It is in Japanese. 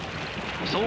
そう